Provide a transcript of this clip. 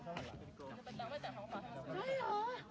เมื่อเวลามีเวลาที่ไม่เห็น